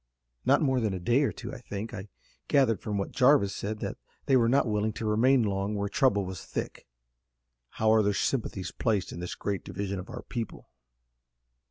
"Not more than a day or two, I think. I gathered from what Jarvis said that they were not willing to remain long where trouble was thick." "How are their sympathies placed in this great division of our people?"